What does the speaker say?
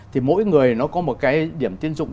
thì mỗi người nó có một cái điểm tiến dụng